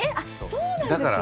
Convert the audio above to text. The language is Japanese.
そうなんですね。